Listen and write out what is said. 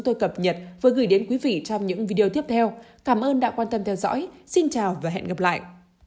tôi cập nhật vừa gửi đến quý vị trong những video tiếp theo cảm ơn đã quan tâm theo dõi xin chào và hẹn gặp lại